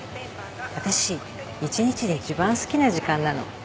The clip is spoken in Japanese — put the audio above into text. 私一日で一番好きな時間なの。